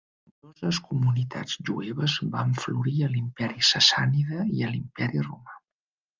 Nombroses comunitats jueves van florir a l'Imperi Sassànida i a l'Imperi Romà.